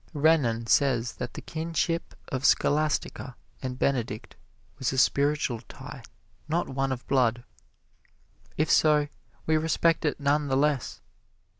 Renan says that the kinship of Scholastica and Benedict was a spiritual tie, not one of blood. If so, we respect it none the less.